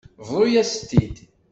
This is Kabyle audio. Bḍu-yas-t-id.